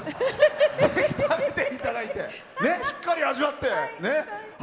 ぜひ、食べていただいてしっかり味わって。